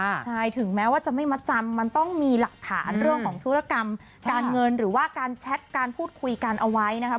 ใช่ถึงแม้ว่าจะไม่มาจำมันต้องมีหลักฐานเรื่องของธุรกรรมการเงินหรือว่าการแชทการพูดคุยกันเอาไว้นะครับ